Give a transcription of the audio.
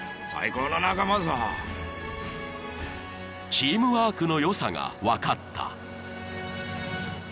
［チームワークの良さが分かった］